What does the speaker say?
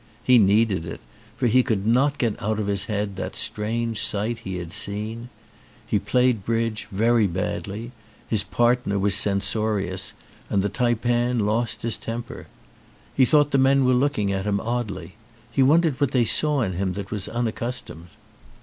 He needed it, for he could not get out of his head that strange sight he had seen; he played bridge very badly ; his partner was censorious, and the taipan lost his temper. He thought the men were looking at him oddly. He wondered what they saw in him that was unaccustomed.